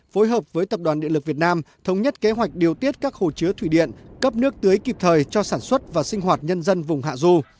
phối hợp với tập đoàn điện lực việt nam thống nhất kế hoạch điều tiết các hồ chứa thủy điện cấp nước tưới kịp thời cho sản xuất và sinh hoạt nhân dân vùng hạ du